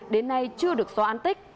đến nay chưa được xóa an tích